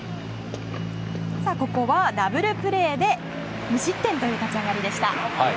ここはダブルプレーで無失点という立ち上がりでした。